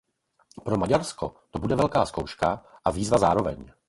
Pro Maďarsko to bude velká zkouška a výzva zároveň.